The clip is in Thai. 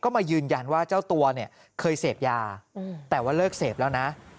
ก็มายืนยันว่าเจ้าตัวเนี่ยเคยเสพยาแต่ว่าเลิกเสพแล้วนะ